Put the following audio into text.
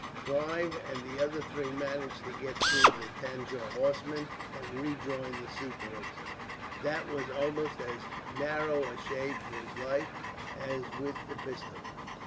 Clive and the other three managed to get through the Tanjore horsemen and rejoin the Sepoys. That was almost as narrow a shave for his life as with the pistol.